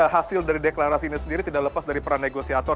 hasil dari deklarasi ini sendiri tidak lepas dari peran negosiator